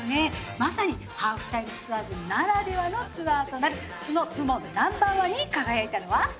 まさに『ハーフタイムツアーズ』ならではのツアーとなるその部門Ｎｏ．１に輝いたのは？